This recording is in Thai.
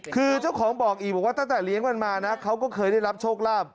คือเจ้าของบอกอีกบอกว่าตั้งแต่เลี้ยงมันมานะเขาก็เคยได้รับโชคลาภ